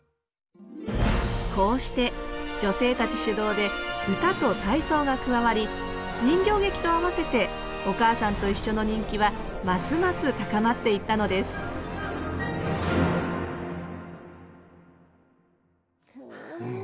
こうして女性たち主導で歌と体操が加わり人形劇と合わせて「おかあさんといっしょ」の人気はますます高まっていったのですうん泣きそう。